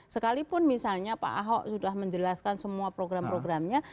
sekalipun misalnya pak ahok sudah menjelaskan semua program programnya